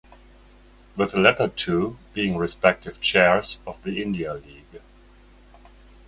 With the latter two being respective Chairs of the India League.